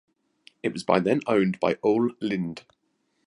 It was by then owned by Ole Lind.